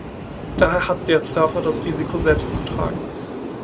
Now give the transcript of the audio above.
Daher hat der Surfer das Risiko selbst zu tragen.